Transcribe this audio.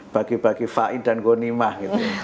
bagi bagi faid dan goni mah